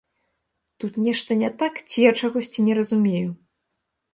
Тут нешта не так ці я чагосьці не разумею?